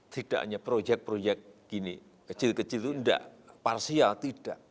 tidak hanya projek projek gini kecil kecil itu enggak parsial tidak